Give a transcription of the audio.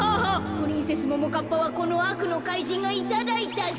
プリンセスももかっぱはこのあくのかいじんがいただいたぞ。